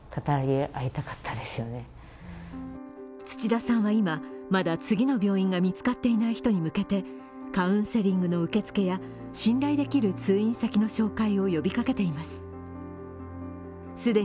土田さんは今、まだ次の病院が見つかっていない人に向けてカウンセリングの受け付けや信頼できる通院先の紹介を呼びかけています。